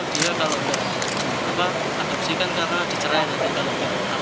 dia kalau tidak adopsikan karena diceraikan